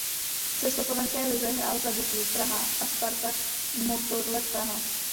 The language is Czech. V československé lize hrál za Duklu Praha a Spartak Motorlet Praha.